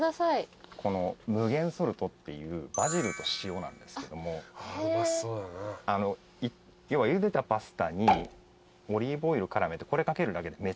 このムゲンソルトっていうバジルと塩なんですけども要はゆでたパスタにオリーブオイル絡めてこれ掛けるだけでめちゃくちゃおいしいんで。